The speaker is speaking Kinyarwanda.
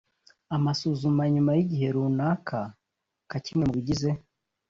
amasuzuma nyuma y igihe runaka nka kimwe mu bigize